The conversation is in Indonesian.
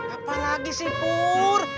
apa lagi sih pur